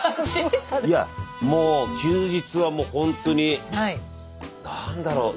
いやもう休日はほんとに何だろう。